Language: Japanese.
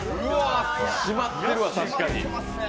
しまってるわ、確かに。